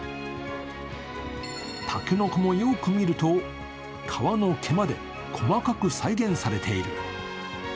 竹の子もよく見ると、皮の毛まで細かく再現されている。